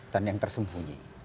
dan yang tersembunyi